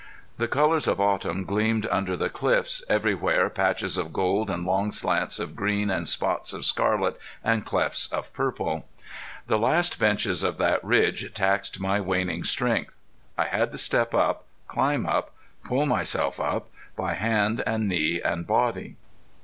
The colors of autumn gleamed under the cliffs, everywhere patches of gold and long slants of green and spots of scarlet and clefts of purple. The last benches of that ridge taxed my waning strength. I had to step up, climb up, pull myself up, by hand and knee and body.